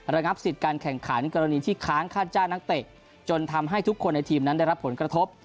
ระงับสิทธิ์การแข่งขันกรณีที่ค้างค่าจ้างนักเตะจนทำให้ทุกคนในทีมนั้นได้รับผลกระทบ